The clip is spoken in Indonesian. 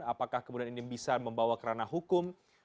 apakah kemudian ini bisa membawa kerana hukum